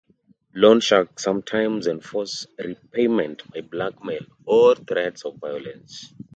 Loan sharks sometimes enforce repayment by blackmail or threats of violence.